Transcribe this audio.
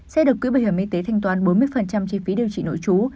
sẽ được quỹ bảo hiểm y tế thanh toán bốn mươi chi phí điều trị nội trú